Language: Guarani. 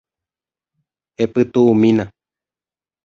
Epytu'umína.